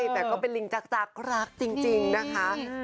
คือใบเฟิร์นเขาเป็นคนที่อยู่กับใครก็ได้ค่ะแล้วก็ตลกด้วย